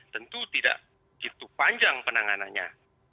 tentu tidak begitu panjang penanganannya